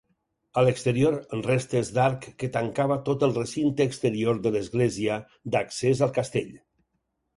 A l'exterior, restes d'arc que tancava tot el recinte exterior de l'església, d'accés al castell.